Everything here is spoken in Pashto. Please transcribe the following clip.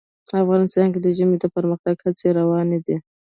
افغانستان کې د ژمی د پرمختګ هڅې روانې دي.